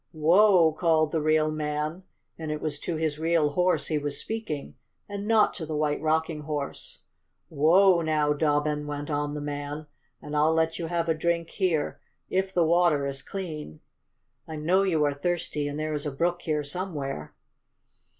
"Whoa!" called the real man, and it was to his real horse he was speaking, and not to the White Rocking Horse. "Whoa now, Dobbin!" went on the man, "and I'll let you have a drink here if the water is clean. I know you are thirsty, and there is a brook here somewhere."